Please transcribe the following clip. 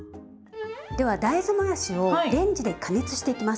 では大豆もやしをレンジで加熱していきます。